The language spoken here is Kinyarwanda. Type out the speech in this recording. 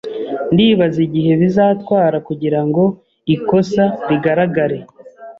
Ndibaza igihe bizatwara kugirango ikosa rigaragare